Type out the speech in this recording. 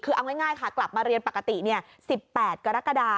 คือเอาง่ายค่ะกลับมาเรียนปกติ๑๘กรกฎา